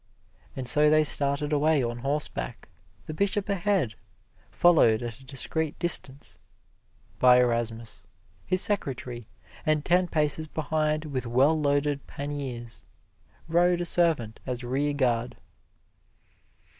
And so they started away on horseback, the Bishop ahead, followed at a discreet distance by Erasmus, his secretary; and ten paces behind with well loaded panniers, rode a servant as rearguard.